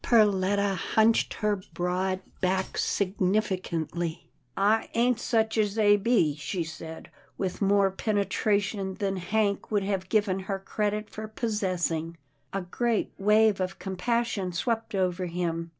Perletta hunched her bi:oad back significantly. " I ain't such as they be," she said, with more pene tration than Hank would have given her credit for possessing. A great wave of compassion swept over him.